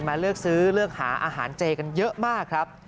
เลือกซื้อเลือกหาอาหารเจกันเยอะมากครับ